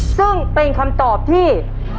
ซึ่งเป็นคำตอบที่